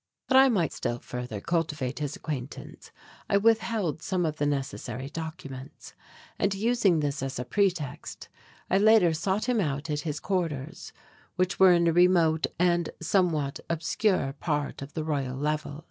That I might still further cultivate his acquaintance I withheld some of the necessary documents; and, using this as a pretext, I later sought him out at his quarters, which were in a remote and somewhat obscure part of the Royal Level.